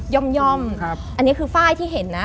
่อมอันนี้คือฝ้ายที่เห็นนะ